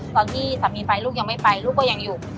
สามีไปลูกยังไม่ไปลูกก็ยังอยู่